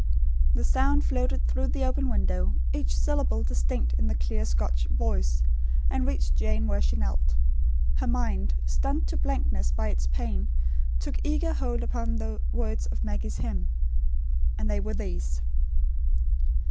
The sound floated through the open window, each syllable distinct in the clear Scotch voice, and reached Jane where she knelt. Her mind, stunned to blankness by its pain, took eager hold upon the words of Maggie's hymn. And they were these.